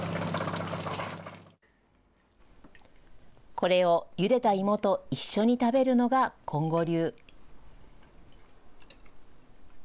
これをゆでた芋と一緒に食べるのがコンゴ流。